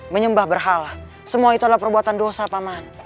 menyembah berhala semua itu adalah perbuatan dosa paman